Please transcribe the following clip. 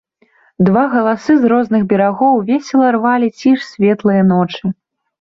Два галасы з розных берагоў весела рвалі ціш светлае ночы.